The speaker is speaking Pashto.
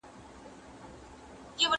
¬ په مرگ ئې و نيسه، په تبه ئې راضي که.